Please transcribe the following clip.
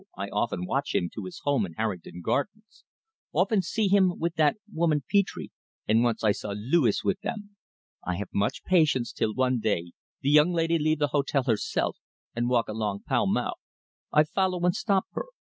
I often watch him to his home in Harrington Gardens; often see him with that woman Petre, and once I saw Luis with them. I have much patience till one day the young lady leave the hotel herself and walk along Pall Mall. I follow and stop her.